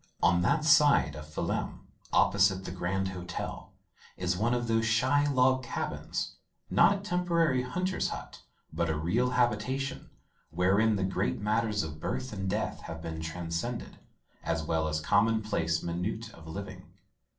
On that side of Phelim opposite the Grand Hotel is one of those shy log cabins; not a temporary hunter's hut, but a real habitation wherein the great matters of birth and death have been transacted, as well as common place minutiae of living.